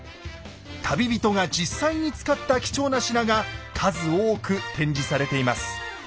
旅人が実際に使った貴重な品が数多く展示されています。